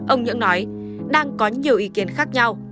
ông nhưỡng nói đang có nhiều ý kiến khác nhau